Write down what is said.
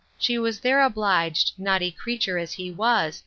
she was there obliged, naughty creature as he was!